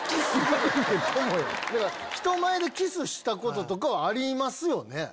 人前でキスしたこととかはありますよね？